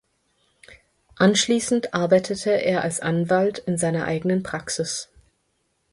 Anschließend arbeitete er als Anwalt in seiner eigenen Praxis.